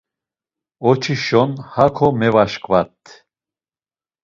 Oç̌işon hako mevaşǩvat.